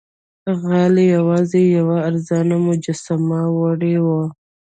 غل یوازې یوه ارزانه مجسمه وړې وه.